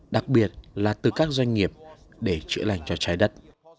đặc biệt là từ các doanh nghiệp để chữa lành cho trái đất